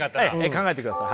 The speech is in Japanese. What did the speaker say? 考えてください